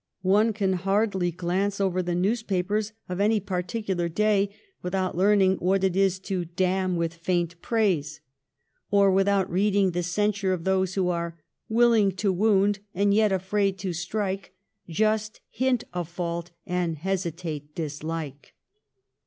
One can hardly glance over the newspapers of any particular day without learning what it is to ' damn with faint praise/ or without reading the censure of those who are Willing to wound, and yet afraid to strike, Just hint a fault, and hesitate dislike.